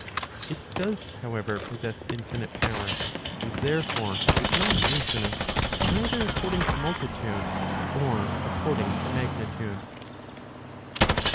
It does, however, possess infinite power; and therefore is not infi¬ nite either according to multitude, or according to magnitude.